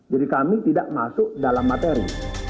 jadi kami tidak masuk dalam materi